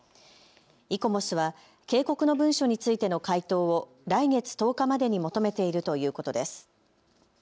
イコモスは警告の文書についての回答を来月１０日までに求めているということです。